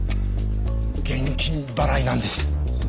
現金払いなんです。